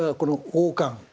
王冠。